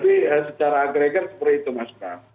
tapi secara agregat seperti itu mas bram